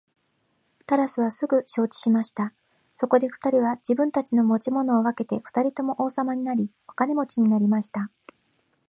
タラスはすぐ承知しました。そこで二人は自分たちの持ち物を分けて二人とも王様になり、お金持になりました。